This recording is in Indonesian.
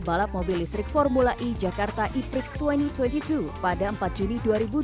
balap mobil listrik formula e jakarta e prix dua ribu dua puluh dua pada empat juni dua ribu dua puluh